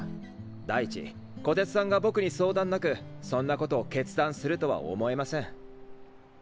第一虎徹さんが僕に相談なくそんなことを決断するとは思えません。